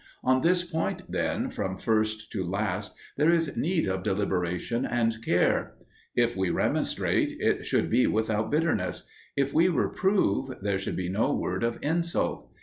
On this point, then, from first to last there is need of deliberation and care. If we remonstrate, it should be without bitterness; if we reprove, there should be no word of insult.